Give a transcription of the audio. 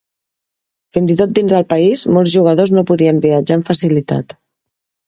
Fins i tot dins el país, molts jugadors no podien viatjar amb facilitat.